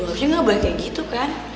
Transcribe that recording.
harusnya gak boleh kayak gitu kan